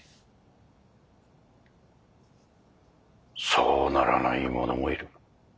そうならない者もいる。